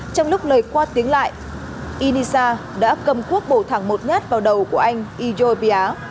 trong lúc lời qua tiếng lại inisa đã cầm cuốc bổ thẳng một nhát vào đầu của anh ijon pia